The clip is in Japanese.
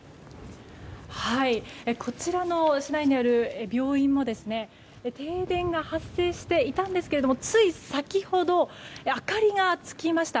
こちらの市内にある病院も停電が発生していたんですがつい先ほど明かりがつきました。